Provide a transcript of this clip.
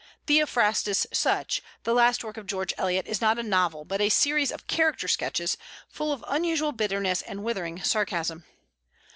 "Theophrastus Such," the last work of George Eliot, is not a novel, but a series of character sketches, full of unusual bitterness and withering sarcasm.